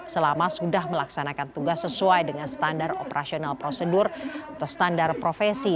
selama sudah melaksanakan tugas sesuai dengan standar operasional prosedur atau standar profesi